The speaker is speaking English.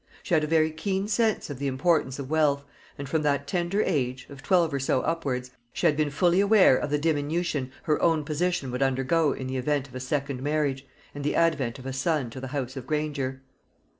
She had a very keen sense of the importance of wealth, and from that tender age, of twelve or so upwards, she had been fully aware of the diminution her own position would undergo in the event of a second marriage, and the advent of a son to the house of Granger.